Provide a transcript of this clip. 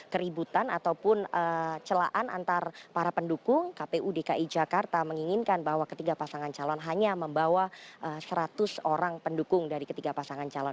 keributan ataupun celaan antara para pendukung kpu dki jakarta menginginkan bahwa ketiga pasangan calon hanya membawa seratus orang pendukung dari ketiga pasangan calon